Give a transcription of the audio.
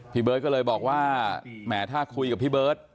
พี่เบิร์ตก็เลยบอกว่าแหมถ้าคุยกับพี่เบิร์ต